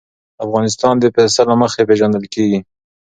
افغانستان د پسه له مخې پېژندل کېږي.